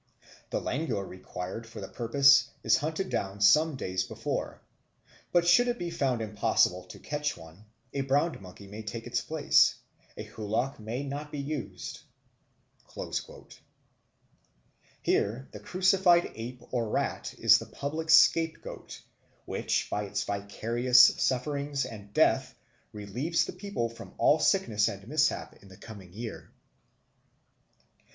The langur required for the purpose is hunted down some days before, but should it be found impossible to catch one, a brown monkey may take its place; a hulock may not be used." Here the crucified ape or rat is the public scapegoat, which by its vicarious sufferings and death relieves the people from all sickness and mishap in the coming year.